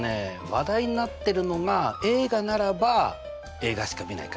話題になってるのが映画ならば映画しかみないかな。